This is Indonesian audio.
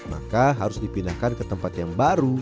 maka harus dipindahkan ke tempat yang baru